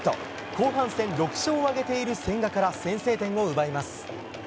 後半戦、６勝を挙げている千賀から先制点を奪います。